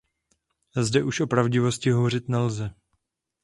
Zde už o pravdivosti hovořit nelze.